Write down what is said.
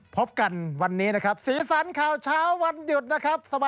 พบกันวันนี้นะครับสีสันข่าวเช้าวันหยุดนะครับ